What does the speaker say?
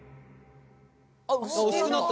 あっ薄くなった。